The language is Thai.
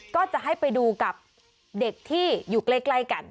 ก็จะให้ไปดูกับเด็กที่อยู่ใกล้กัน